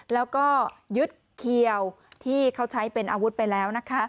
แล้วก็ยึดเขียวที่เขาใช้เป็นอาวุธไปแล้วนะคะ